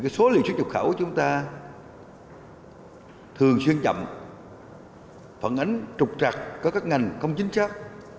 số liệu xuất nhập khẩu của chúng ta thường xuyên chậm phản ánh trục trặc có các ngành không chính xác